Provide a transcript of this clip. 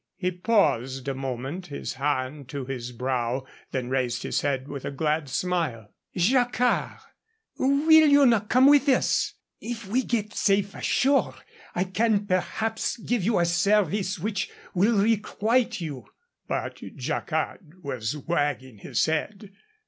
He paused a moment, his hand to his brow, then raised his head with a glad smile. "Jacquard, will you not come with us? If we get safe ashore I can perhaps give you a service which will requite you." But Jacquard was wagging his head.